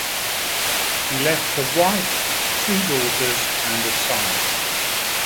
He left a wife, two daughters and a son.